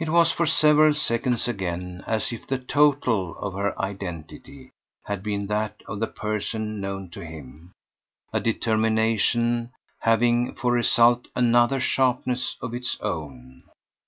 It was for several seconds again as if the TOTAL of her identity had been that of the person known to him a determination having for result another sharpness of its own.